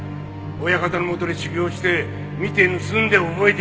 親方のもとで修業して見て盗んで覚えていく。